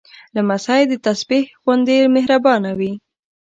لمسی د تسبېح غوندې مهربانه وي.